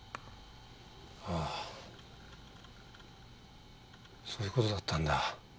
ああそういう事だったんだ。